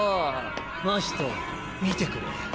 真人見てくれ。